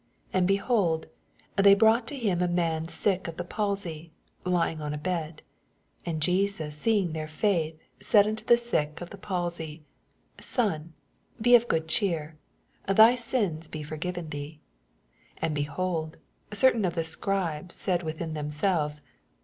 2 And^ behold, they brought to him a man siok of tie palsy, Tying on a bed : and Jesns stieing their fkiUi said unto the sick of the palsy : Son, be of good oheer : thy sine be forjonven thee. 3 And, benold, certain of toe Scribes said within themselves.